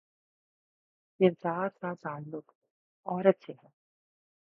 کردار کا تعلق عورت سے ہے۔